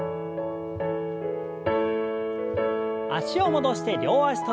脚を戻して両脚跳び。